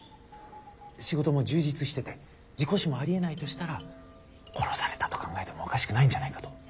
仕事も充実してて事故死もありえないとしたら殺されたと考えてもおかしくないんじゃないかと。